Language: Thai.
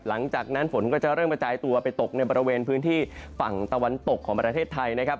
หลังจากนั้นฝนก็จะเริ่มกระจายตัวไปตกในบริเวณพื้นที่ฝั่งตะวันตกของประเทศไทยนะครับ